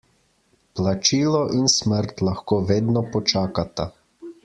Plačilo in smrt lahko vedno počakata.